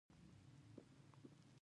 دوی هلته اتلولۍ ګټلي دي.